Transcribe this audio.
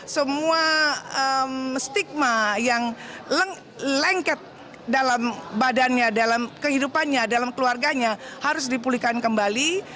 semua stigma yang lengket dalam badannya dalam kehidupannya dalam keluarganya harus dipulihkan kembali